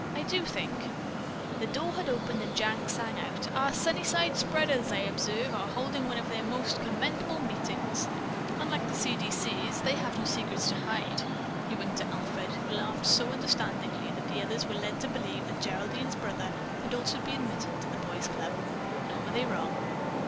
I do think——" The door had opened and Jack sang out: "Our Sunnyside Spreaders, I observe, are holding one of their most commendable meetings. Unlike the 'C. D. C.'s,' they have no secrets to hide." He winked at Alfred, who laughed so understandingly that the observers were led to believe that Geraldine's brother had also been admitted to the boys' club. Nor were they wrong.